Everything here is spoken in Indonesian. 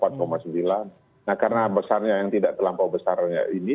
nah karena besarnya yang tidak terlampau besarnya ini